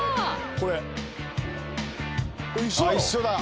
これ一緒だよ。